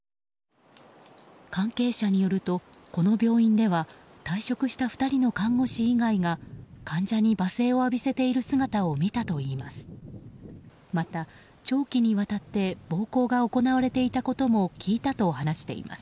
関係者によると、この病院では退職した２人の看護師以外が患者に罵声を浴びせている姿も見たといいます。